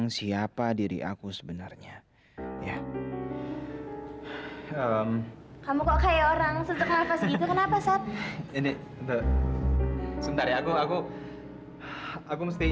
gak usah ayah gak usah